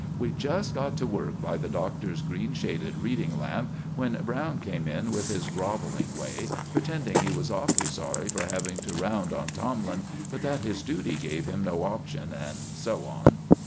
We'd just got to work by the Doctor's green shaded reading lamp when Browne came in with his grovelling way, pretending he was awfully sorry for having to round on Tomlin, but that his duty gave him no option, and so on.